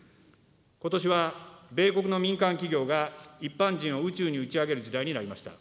ことしは米国の民間企業が一般人を宇宙に打ち上げる時代になりました。